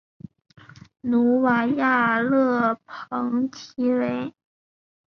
努瓦亚勒蓬提维。